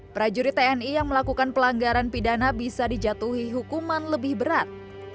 prajurit tni yang melakukan pelanggaran pidana bisa dijatuhi hukuman lebih berat